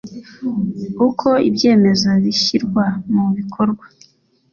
uko ibyemezo bishyirwa mu bikorwa